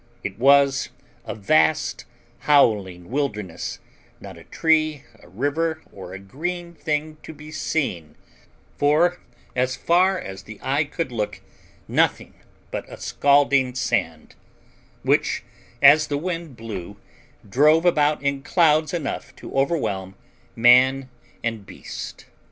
It was a vast howling wilderness not a tree, a river, or a green thing to be seen; for, as far as the eye could look, nothing but a scalding sand, which, as the wind blew, drove about in clouds enough to overwhelm man and beast.